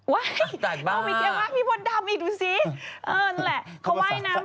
ว้ายโอ้โฮเกียร์มากพี่มดดำอีกดูสิเออนั่นแหละเขาว่ายน้ำเป็น